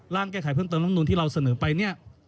ร่างแก้ไขเพิ่มเติมรัฐมนุนที่เราเสนอไป